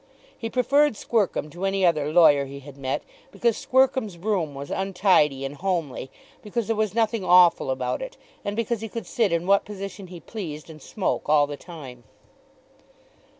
He preferred Squercum to any other lawyer he had met because Squercum's room was untidy and homely, because there was nothing awful about it, and because he could sit in what position he pleased, and smoke all the time.